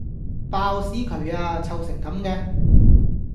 爆屎渠呀！臭成咁嘅